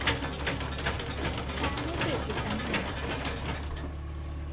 ทาไม่ติดอีกต่างหาก